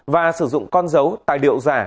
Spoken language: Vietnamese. và sử dụng con dấu tài điệu giả